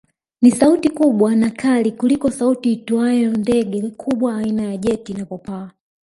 Ni sauti kubwa na kali kuliko sauti itoayo ndege kubwa aina ya jet inapopaa